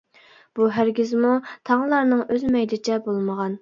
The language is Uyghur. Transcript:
بۇ ھەرگىزمۇ تاڭلارنىڭ ئۆز مەيلىچە بولمىغان.